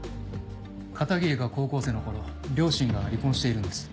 片桐が高校生の頃両親が離婚しているんです。